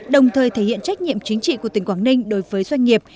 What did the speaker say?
đồng thời thể hiện trách nhiệm chính trị của tỉnh quảng ninh đối với doanh nghiệp